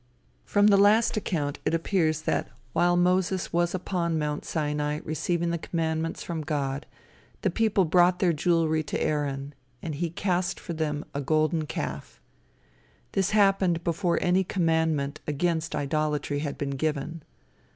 From the last account it appears that while Moses was upon Mount Sinai receiving the commandments from God, the people brought their jewelry to Aaron, and he cast for them a golden calf. This happened before any commandment against idolatry had been given.